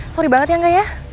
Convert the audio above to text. sorry banget ya nggak ya